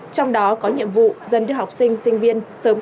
trong đó có nhiệm vụ dần đưa học sinh sinh viên sớm quay trở lại trường học